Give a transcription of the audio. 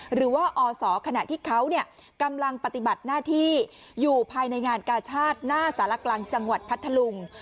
หรือว่าอศขณะที่เขากำลังปฏิบัติหน้าที่อยู่ภายในงานกาชาติหน้าสารกลางจังหวัดพัทธลุง